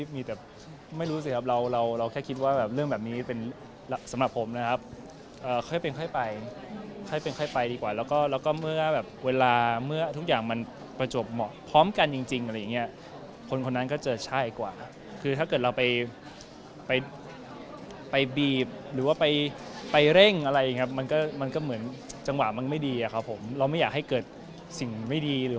มีแต่ไม่รู้สิครับเราเราแค่คิดว่าแบบเรื่องแบบนี้เป็นสำหรับผมนะครับค่อยเป็นค่อยไปค่อยเป็นค่อยไปดีกว่าแล้วก็เมื่อแบบเวลาเมื่อทุกอย่างมันประจวบเหมาะพร้อมกันจริงอะไรอย่างเงี้ยคนคนนั้นก็จะใช่กว่าคือถ้าเกิดเราไปไปบีบหรือว่าไปไปเร่งอะไรอย่างเงี้ยมันก็มันก็เหมือนจังหวะมันไม่ดีอะครับผมเราไม่อยากให้เกิดสิ่งไม่ดีหรือ